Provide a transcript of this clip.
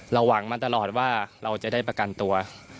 หวังมาตลอดว่าเราจะได้ประกันตัว